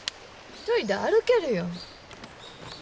一人で歩けるよ。